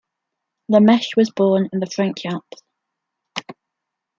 Lameche was born in the French Alps.